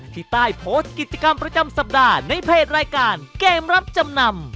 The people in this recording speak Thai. ที่ใต้โพสต์กิจกรรมประจำสัปดาห์ในเพจรายการเกมรับจำนำ